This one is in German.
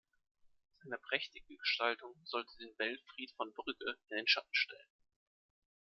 Seine prächtige Gestaltung sollte den Belfried von Brügge in den Schatten stellen.